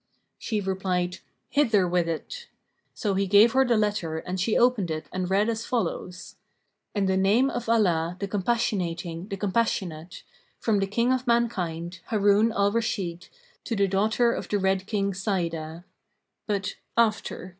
She replied "Hither with it!" So he gave her the letter and she opened it and read as follows, "In the name of Allah, the Compassionating, the Compassionate! From the King of mankind, Harun al Rashid, to the daughter of the Red King, Sa'idah! But, after.